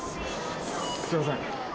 すいません。